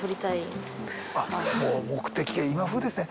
もう目的が今風ですね